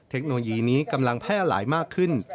เทคโนโลยีนี้กำลังแพร่หลายมากขึ้น